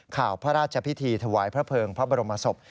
ข่าวพระราชพิธีถวายพระเภิงพระบรมศพ